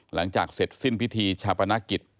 หลังจากเสร็จสิ้นพิธีชาปนกิจ